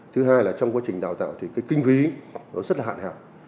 thứ hai là trong quá trình đào tạo thì kinh phí rất là hạn hẹp